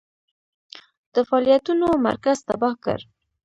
د فعالیتونو مرکز تباه کړ.